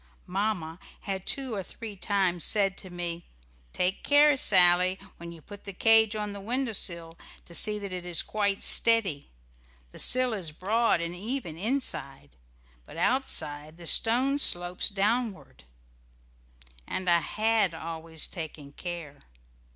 Mamma had two or three times said to me, "Take care, Sally, when you put the cage on the window sill to see that it is quite steady. The sill is broad and even, inside, but outside the stone slopes downward," and I had always taken care.